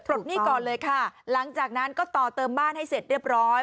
หนี้ก่อนเลยค่ะหลังจากนั้นก็ต่อเติมบ้านให้เสร็จเรียบร้อย